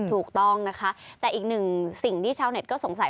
ถูกต้องนะคะแต่อีกหนึ่งสิ่งที่ชาวเน็ตก็สงสัย